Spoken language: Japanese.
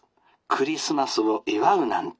クリスマスを祝うなんて。